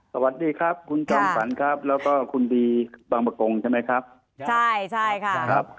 สวัสดีครับคุณจองฝันครับแล้วก็คุณบีบางบกงใช่ไหมครับ